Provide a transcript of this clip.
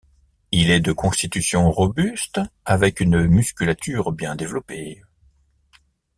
Il est de constitution robuste avec une musculature bien développée.